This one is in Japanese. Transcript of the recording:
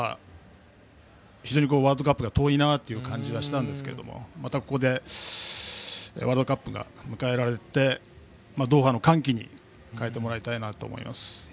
非常にワールドカップが遠いなという感じがしたんですがまたここでワールドカップが迎えられてドーハの歓喜に変えてもらいたいなと思います。